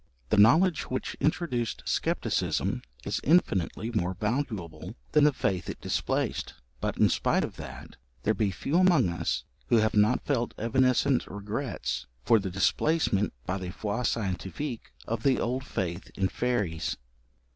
The knowledge which introduced scepticism is infinitely more valuable than the faith it displaced; but, in spite of that, there be few among us who have not felt evanescent regrets for the displacement by the foi scientifique of the old faith in fairies.